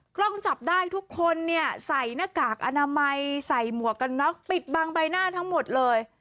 กล้องจับได้ทุกคนเนี่ยใส่หน้ากากอนามัยใส่หมวกกันน็อกปิดบังใบหน้าทั้งหมดเลย